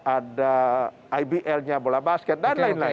ada ibl nya bola basket dan lain lain